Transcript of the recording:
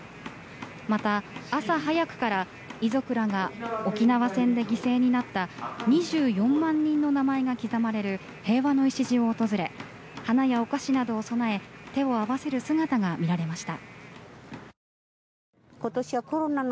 また、朝早くから遺族らが沖縄戦で犠牲になった２４万人の名前が刻まれる平和の礎を訪れ花やお菓子などを供え手を合わせる姿が見られました。